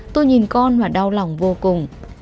tôi nhìn con và đau lòng vô cùng